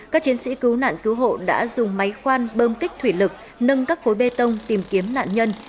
các chiến sĩ cứu nạn cứu hộ đã dùng máy khoan bơm kích thủy lực nâng các khối bê tông tìm kiếm nạn nhân